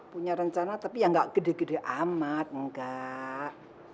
punya rencana tapi ya nggak gede gede amat enggak